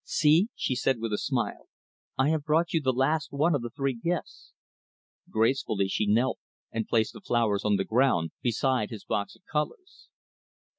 "See," she said with a smile, "I have brought you the last one of the three gifts." Gracefully, she knelt and placed the flowers on the ground, beside his box of colors.